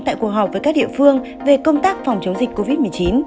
tại cuộc họp với các địa phương về công tác phòng chống dịch covid một mươi chín